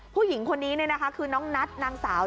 ผู้หญิงคนนี้เนี่ยนะคะคือน้องนัดนางสาว